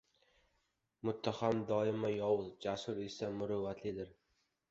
Muttaham doimo yovuz; jasur esa muruvvatlidir.